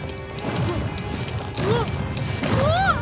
うわっうわっ